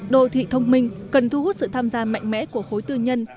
đô thị thông minh cần thu hút sự tham gia mạnh mẽ của khối tư nhân